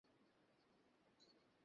তাফসীরকারগণ বলেন, এটা সামার গাছের ছায়া।